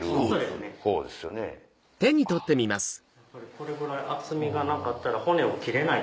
これぐらい厚みがなかったら骨を切れない。